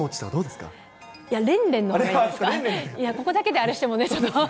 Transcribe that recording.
ここだけであれしてもね。